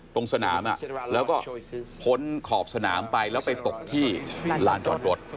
ตรงสนามแล้วก็พ้นขอบสนามไปแล้วไปตกที่ลานจอดรถ